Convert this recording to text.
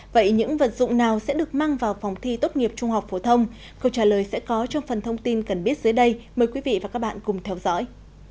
vậy những vật dụng nào sẽ được mang vào phòng thi tốt nghiệp trung học phổ thông câu trả lời sẽ có trong phần thông tin cần biết dưới đây mời quý vị và các bạn cùng theo dõi